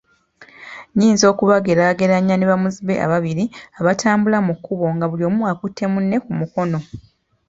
Nnyinza okubageraageranya ne bamuzibe ababiri abatambula mu kkubo nga buli omu akutte munne ku mukono